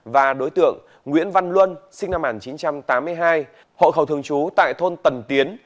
và đối tượng nguyễn văn luân sinh năm một nghìn chín trăm tám mươi hai hộ khẩu thường trú tại thôn tần tiến